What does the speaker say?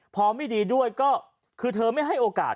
พอไม่ดีด้วยก็คือเธอไม่ให้โอกาส